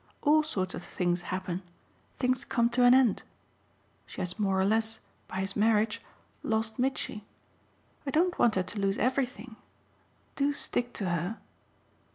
All sorts of things happen things come to an end. She has more or less by his marriage lost Mitchy. I don't want her to lose everything. Do stick to her.